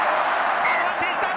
アドバンテージだ。